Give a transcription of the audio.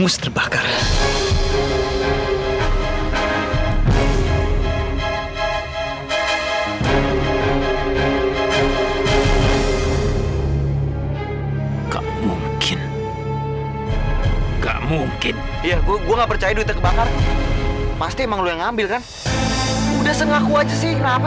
sampai jumpa di video selanjutnya